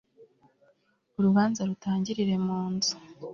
urubanza rutangirire mu nzu